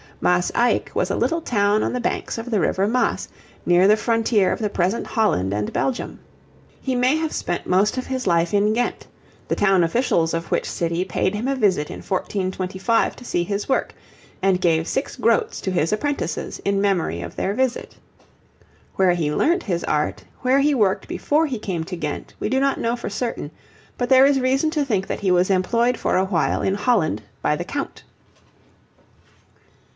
Maas Eyck was a little town on the banks of the river Maas, near the frontier of the present Holland and Belgium. He may have spent most of his life in Ghent, the town officials of which city paid him a visit in 1425 to see his work, and gave six groats to his apprentices in memory of their visit. Where he learnt his art, where he worked before he came to Ghent, we do not know for certain, but there is reason to think that he was employed for a while in Holland by the Count.